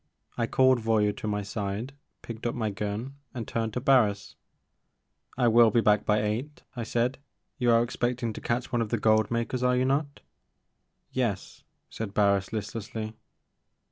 I called Voyou to my side, picked up my gun and turned to Barris. I will be back by eight,*' I said ;*' you are expecting to catch one of the gold makers are you not?" " Yes," said Barris listlessly.